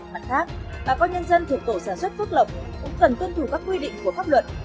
mặt khác bà con nhân dân thuộc tổ sản xuất phước lộc cũng cần tuân thủ các quy định của pháp luật